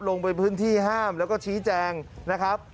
ลงไปพื้นที่ห้ามแล้วก็ชี้แจงนะครับ